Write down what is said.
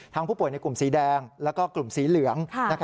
ผู้ป่วยในกลุ่มสีแดงแล้วก็กลุ่มสีเหลือง